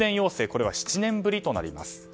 これは７年ぶりとなります。